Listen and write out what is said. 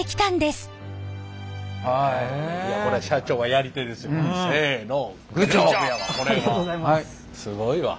すごいわ。